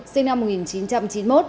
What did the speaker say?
sinh năm một nghìn chín trăm chín mươi một